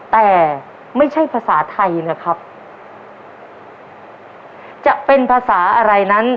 แต่ไม่ใช่ภาษาไทยนะครับจะเป็นภาษาอะไรนั้น